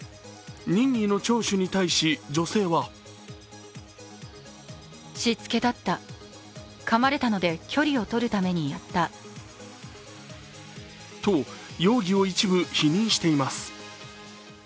任意の聴取に対し女性はと容疑を一部否認しています。